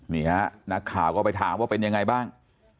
นี่ฮะนักข่าวก็ไปถามว่าเป็นยังไงบ้าง